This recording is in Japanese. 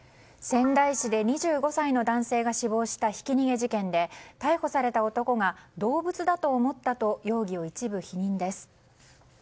仙台市で２５歳の男性が死亡したひき逃げ事件で逮捕された男が動物だと思ったと容疑を一部否認です。